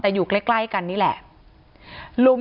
ที่มีข่าวเรื่องน้องหายตัว